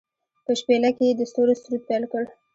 په شپیلۍ کې يې د ستورو سرود پیل کړ